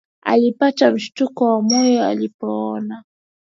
Alipata mshtuko wa moyo alipomwona